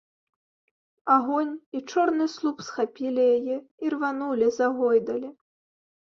Агонь і чорны слуп схапілі яе, ірванулі, загойдалі.